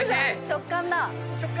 直感だ！